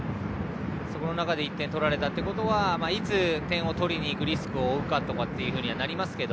その中で１点取られたということはいつ点を取りにいくリスクを負うかとなりますけど。